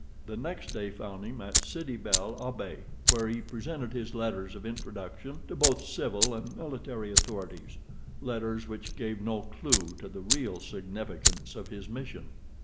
The next day found him at Sidi bel Abbes, where he presented his letters of introduction to both civil and military authorities—letters which gave no clew to the real significance of his mission.